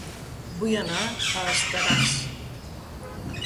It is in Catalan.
Vull anar a Estaràs